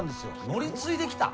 乗り継いできた？